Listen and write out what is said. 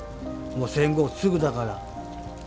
戦後すぐだから。